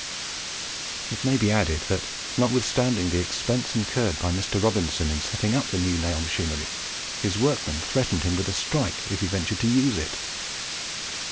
It may be added, that, notwithstanding the expense incurred by Mr. Robinson in setting up the new nail machinery, his workmen threatened him with a strike if he ventured to use it.